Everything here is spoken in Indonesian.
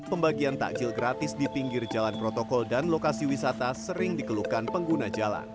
pembagian takjil gratis di pinggir jalan protokol dan lokasi wisata sering dikeluhkan pengguna jalan